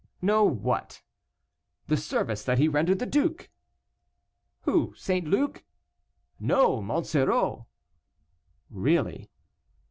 "Know what?" "The service that he rendered to the duke." "Who? St. Luc?" "No; Monsoreau." "Really."